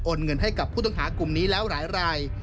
เงินให้กับผู้ต้องหากลุ่มนี้แล้วหลายราย